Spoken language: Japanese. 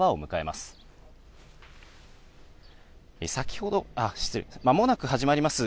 まもなく始まります